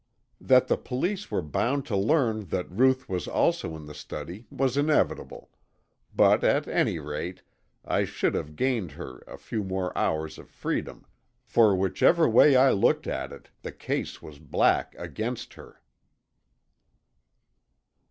That the police were bound to learn that Ruth was also in the study was inevitable, but at any rate I should have gained her a few more hours of freedom, for whichever way I looked at it the case was black against her.